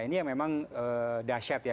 ini memang dahsyat ya